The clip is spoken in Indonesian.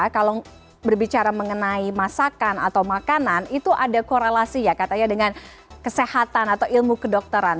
kalau berbicara mengenai masakan atau makanan itu ada korelasi ya katanya dengan kesehatan atau ilmu kedokteran